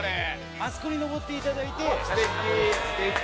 あそこに上っていただいて、すてき。